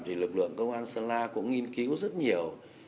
thì lực lượng công an sơn la cũng nghiên cứu rất nhiều